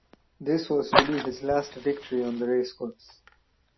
This was to be his last victory on the racecourse.